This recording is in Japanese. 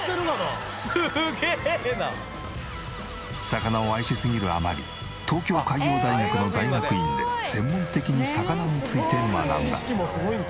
魚を愛しすぎるあまり東京海洋大学の大学院で専門的に魚について学んだ。